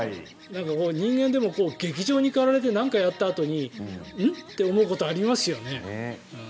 人間でも、激情にかられてなんかやったあとにん？って思うことありますよね。